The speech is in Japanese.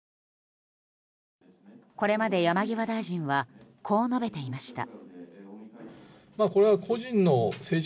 これまで山際大臣はこう述べていました。